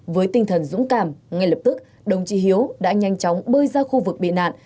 với tinh thần dũng cảm ngay lập tức đồng chí hiếu đã nhanh chóng bơi ra khu vực bị nạn